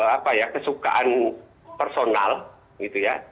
apa ya kesukaan personal gitu ya